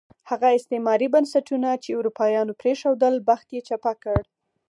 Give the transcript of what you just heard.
هغه استعماري بنسټونه چې اروپایانو پرېښودل، بخت یې چپه کړ.